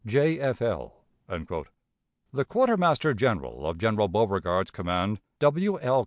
J. F. L." The quartermaster general of General Beauregard's command, W. L.